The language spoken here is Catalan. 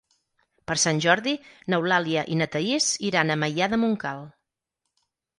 Per Sant Jordi n'Eulàlia i na Thaís iran a Maià de Montcal.